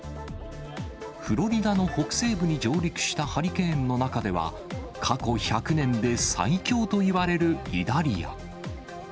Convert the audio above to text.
フロリダの北西部に上陸したハリケーンの中では、過去１００年で最強といわれるイダリア。